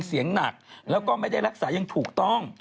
แล้วก็ไม่ได้รักษายังถูกต้อง